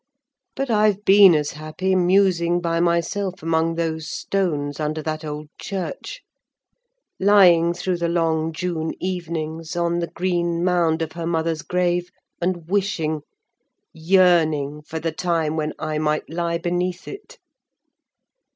But I've been as happy musing by myself among those stones, under that old church: lying, through the long June evenings, on the green mound of her mother's grave, and wishing—yearning for the time when I might lie beneath it.